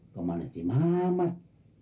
kau mana si mamat